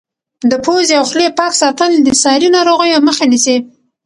د پوزې او خولې پاک ساتل د ساري ناروغیو مخه نیسي.